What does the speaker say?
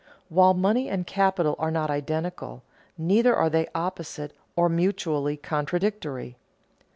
_ While money and capital are not identical, neither are they opposite or mutually contradictory.